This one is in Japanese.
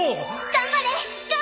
頑張れ！